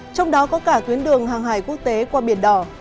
trong đó có cả tuyến đường hàng hải quốc tế qua biển đỏ